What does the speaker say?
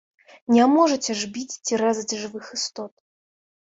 Не можаце ж біць ці рэзаць жывых істот.